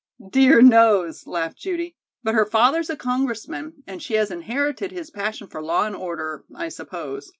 "Dear knows," laughed Judy, "but her father's a Congressman, and she has inherited his passion for law and order, I suppose.